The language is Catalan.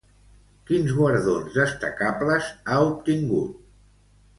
Quins guardons destacables ha obtingut?